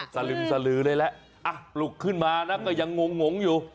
สลึมสลือเลยแหละปลุกขึ้นมานะก็ยังงงอยู่